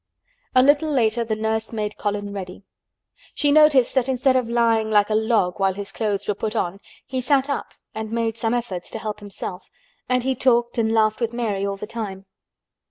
A little later the nurse made Colin ready. She noticed that instead of lying like a log while his clothes were put on he sat up and made some efforts to help himself, and he talked and laughed with Mary all the time.